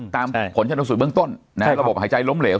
ตามผลขนตรงสุดเบื้องต้นรับบอกหายใจล้มเหลว